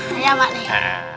makasih ya pak deh